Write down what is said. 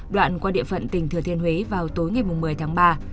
đoạn qua địa phận tỉnh thừa thiên huế vào tối ngày một mươi tháng ba